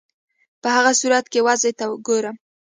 په هغه صورت کې وضع ته ګورم.